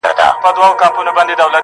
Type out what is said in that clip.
ماشومان یې یتیمانوي